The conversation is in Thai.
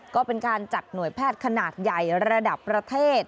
ก็เป็นการจัดหน่วยแพทย์ขนาดใหญ่ระดับประเทศ